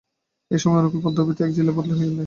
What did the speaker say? এই সময়ে অনুকূল পদ্মাতীরবর্তী এক জিলায় বদলি হইলেন।